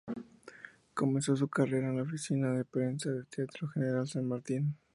Comenzó su carrera en la oficina de prensa del Teatro General San Martín.